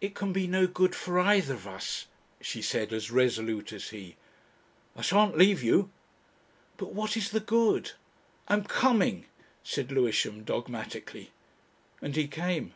"It can be no good for either of us," she said as resolute as he. "I shan't leave you." "But what is the good?..." "I'm coming," said Lewisham, dogmatically. And he came.